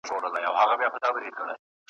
په څپلیو کي یې پښې یخی کېدلې ,